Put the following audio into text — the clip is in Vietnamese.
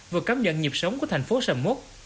vừa cảm nhận nhịp sống của thành phố sầm mút